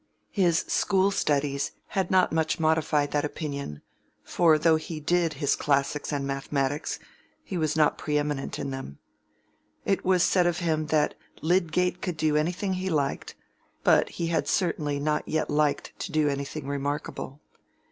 His school studies had not much modified that opinion, for though he "did" his classics and mathematics, he was not pre eminent in them. It was said of him, that Lydgate could do anything he liked, but he had certainly not yet liked to do anything remarkable.